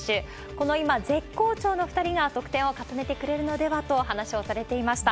この今、絶好調の２人が得点を重ねてくれるのではと話をされていました。